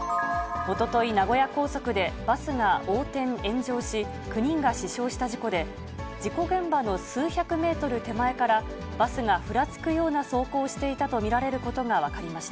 おととい、名古屋高速でバスが横転・炎上し、９人が死傷した事故で、事故現場の数百メートル手前から、バスがふらつくような走行をしていたと見られることが分かりまし